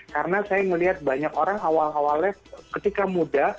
karena saya melihat banyak orang awal awalnya ketika muda